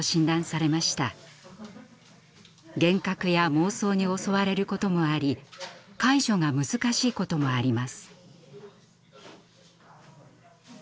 幻覚や妄想に襲われることもあり介助が難しいこともあります。